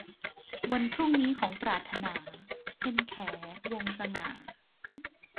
วันพรุ่งนี้ของปรารถนา - เพ็ญแข วงศ์สง่า